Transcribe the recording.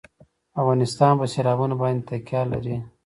افغانستان په سیلابونه باندې تکیه لري.